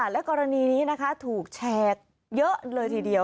และกรณีนี้นะคะถูกแชร์เยอะเลยทีเดียว